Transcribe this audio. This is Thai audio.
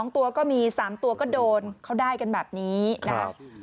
๒ตัวก็มี๓ตัวก็โดนเขาได้กันแบบนี้นะครับ